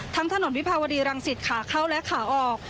ทั้งถนนวิภาวดีรังสิตขาเข้าและขาออก